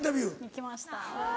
行きました。